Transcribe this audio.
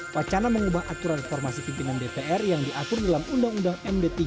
wacana mengubah aturan formasi pimpinan dpr yang diatur dalam undang undang md tiga